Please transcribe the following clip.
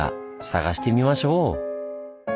探してみましょう！